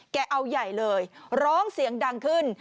เอาใหญ่เลยร้องเสียงดังขึ้น